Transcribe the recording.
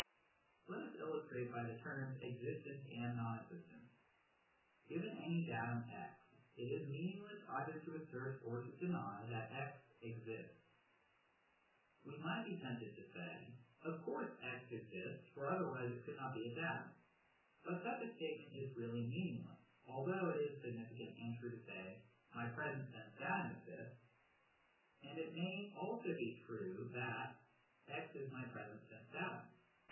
Let us illustrate by the terms " existence " and " non existence." Given any datum x, it is meaningless either to assert or to deny that x " exists." We might be tempted to say :" Of course x exists, for otherwise it could not be a datum." But such a statement is really meaningless, although it is significant and true to say " My present sense datum exists," and it may also be true that " x is my present sense datum."